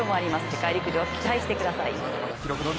世界陸上、期待してください。